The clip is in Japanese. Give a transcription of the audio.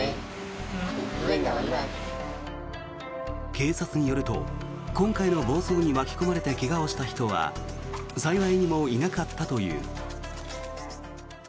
警察によると、今回の暴走に巻き込まれて怪我をした人は幸いにもいなかったという。